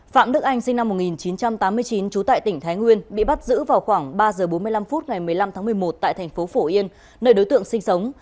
phạm đức anh sinh năm một nghìn chín trăm tám mươi chín trú tại tỉnh thái nguyên bị bắt giữ vào khoảng ba giờ bốn mươi năm phút ngày một mươi năm tháng một mươi một tại thành phố phổ yên nơi đối tượng sinh sống